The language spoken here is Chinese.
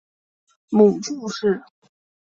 母祝氏。